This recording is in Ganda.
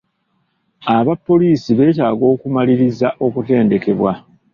Abapoliisi beetaaga okumalirirza okutendekebwa.